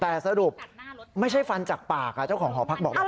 แต่สรุปไม่ใช่ฟันจากปากเจ้าของหอพักบอกแบบนี้